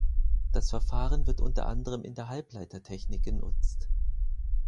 Das Verfahren wird unter anderem in der Halbleitertechnik genutzt.